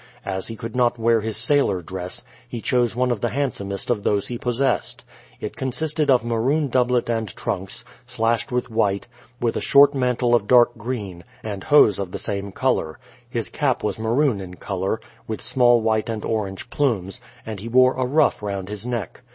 As he could not wear his sailor dress he chose one of the handsomest of those he possessed. It consisted of maroon doublet and trunks, slashed with white, with a short mantle of dark green, and hose of the same colour; his cap was maroon in colour, with small white and orange plumes, and he wore a ruff round his neck.